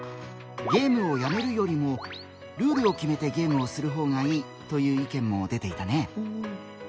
「ゲームをやめるよりもルールを決めてゲームをする方がいい」という意見も出ていたね。